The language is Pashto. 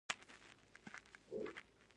ټکنالوژي پراخه او له هغې استفاده وکړي.